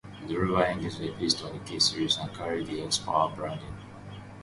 The Rover engines were based on the K series and carried the 'Xpower' branding.